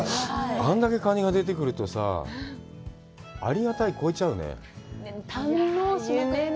あれだけカニが出てくるとさ、ありがたい越えちゃうね。